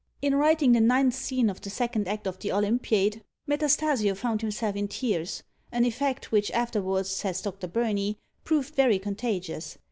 In writing the ninth scene of the second act of the Olimpiade, Metastasio found himself in tears; an effect which afterwards, says Dr. Burney, proved very contagious.